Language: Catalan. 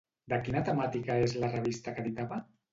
De quina temàtica és la revista que editava?